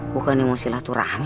bukan emosi latuh rahmi